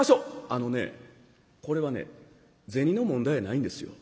「あのねこれはね銭の問題やないんですよ。